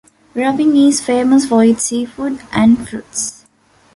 Raoping is famous for its seafood and fruits.